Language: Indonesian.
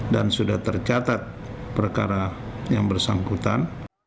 dan sudah tercatat perkara yang bersangkutan